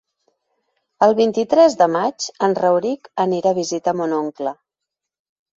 El vint-i-tres de maig en Rauric anirà a visitar mon oncle.